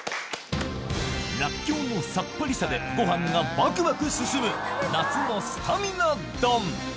らっきょうのサッパリさでご飯がバクバク進む夏のスタミナ丼